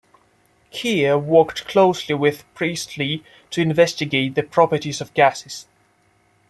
Keir worked closely with Priestley to investigate the properties of gases.